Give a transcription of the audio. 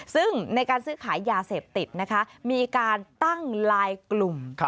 ซึ่งในการซื้อขายยาเสพติดนะคะมีการตั้งลายกลุ่ม